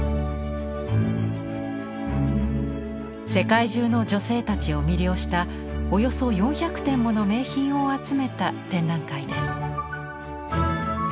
世界中の女性たちを魅了したおよそ４００点もの名品を集めた展覧会です。